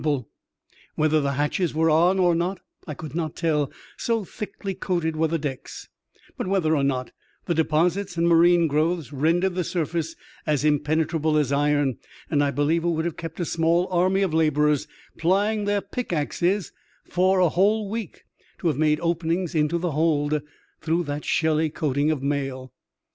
EXTRAORDINARY ADVENTURE OF A CHIEF MATE 87 Whether the hatches were on or not I could not tell^ so thickly coated were the decks ; but whether or not, the deposits and marine growths rendered the surface as impenetrable as iron, and I believe it would have kept a small army of labourers plying their pickaxes for a whole week to have made openings into the hold through that shelly coating of mail.